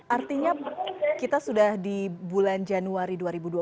artinya kita sudah di bulan januari dua ribu dua puluh